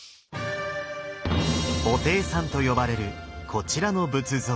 「布袋さん」と呼ばれるこちらの仏像。